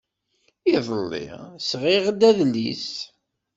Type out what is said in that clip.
Iḍelli, sɣiɣ-d adlis.